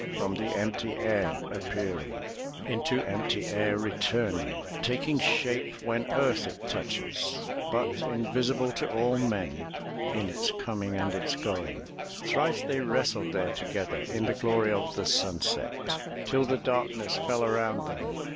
From the empty air appearing, 384 THE TREASURE CHEST Into empty air returning, Taking shape when earth it touches, But invisible to all men In its coming and its going. Thrice they wrestled there together In the glory of the sunset. Till the darkness fell around them.